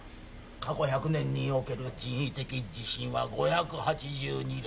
過去１００年における人為的地震は５８２例